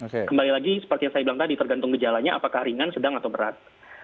kembali lagi seperti yang saya bilang tadi tergantung gejalanya apakah ringan sedang atau berat